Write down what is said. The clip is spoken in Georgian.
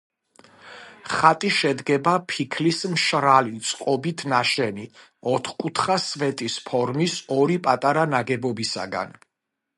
ხატი შედგება ფიქლის მშრალი წყობით ნაშენი, ოთხკუთხა სვეტის ფორმის ორი პატარა ნაგებობისაგან.